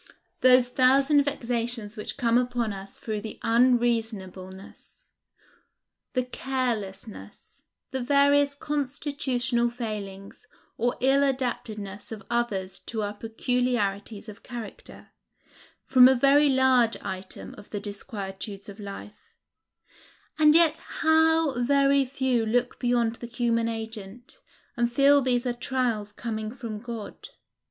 Those thousand vexations which come upon us through the unreasonableness, the carelessness, the various constitutional failings, or ill adaptedness of others to our peculiarities of character, form a very large item of the disquietudes of life; and yet how very few look beyond the human agent, and feel these are trials coming from God!